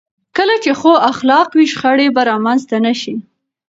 کله چې ښو اخلاق وي، شخړې به رامنځته نه شي.